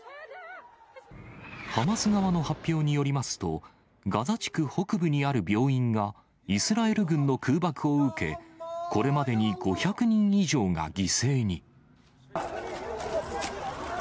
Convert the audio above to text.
ハマス側の発表によりますと、ガザ地区北部にある病院が、イスラエル軍の空爆を受け、これまでに５００人以上が犠牲に。